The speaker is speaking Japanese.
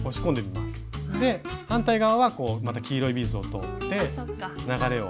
で反対側はまた黄色いビーズを通って流れを。